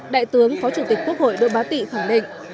đại tướng phó chủ tịch quốc hội đỗ bá tị khẳng định